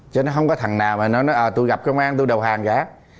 chứ nó không có thằng nào mà nó nói à tôi gặp công an tôi đầu hàng cả